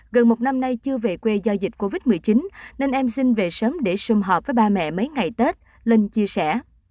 gần một năm nay chưa về quê do dịch covid một mươi chín nên em xin về sớm để xung họp với ba mẹ mấy ngày tết linh chia sẻ